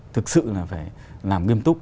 thực sự là phải làm nghiêm túc